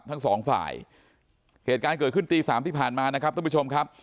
ทั้งสองฝ่ายเหตุการณ์เกิดขึ้นตีสามที่ผ่านมานะครับท่านผู้ชมครับ